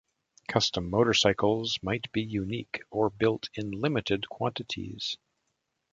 Custom motorcycles might be unique, or built in limited quantities.